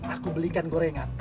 aku belikan gorengan